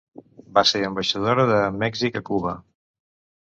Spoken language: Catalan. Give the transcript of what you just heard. Va ser ambaixadora de Mèxic a Cuba.